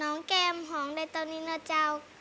น้องแก้มหองได้ตอนนี้เนื่อยเจ้า